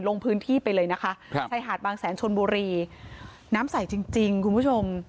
ลงพื้นที่ไปเลยนะคะครับชายหาดบางแสนชนบุรีน้ำใสจริงจริงคุณผู้ชม